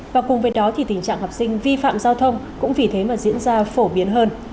và cùng với đó thì tình trạng học sinh vi phạm giao thông cũng vì thế mà diễn ra phổ biến hơn